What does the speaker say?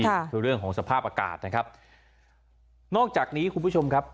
ค่ะคือเรื่องของสภาพอากาศนะครับนอกจากนี้คุณผู้ชมครับ